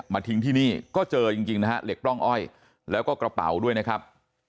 ทิ้งที่นี่ก็เจอจริงนะฮะเหล็กปล้องอ้อยแล้วก็กระเป๋าด้วยนะครับ